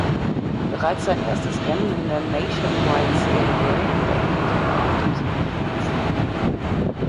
Bereits sein erstes Rennen in der Nationwide Serie beendete er auf dem siebten Platz.